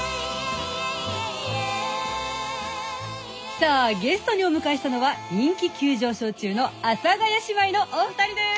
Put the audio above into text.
さあゲストにお迎えしたのは人気急上昇中の阿佐ヶ谷姉妹のお二人です！